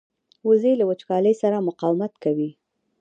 وزې له وچکالۍ سره مقاومت کوي